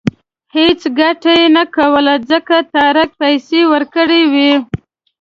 هېڅ ګټه یې نه کوله ځکه طارق پیسې ورکړې وې.